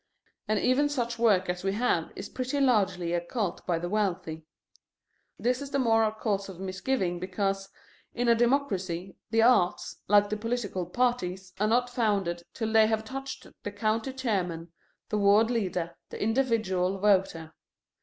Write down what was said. And even such work as we have is pretty largely a cult by the wealthy. This is the more a cause for misgiving because, in a democracy, the arts, like the political parties, are not founded till they have touched the county chairman, the ward leader, the individual voter.